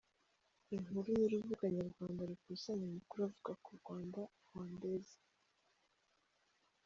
Inkuru y’urubuga nyarwanda rukusanya amakuru avuga ku Rwanda, rwandaises.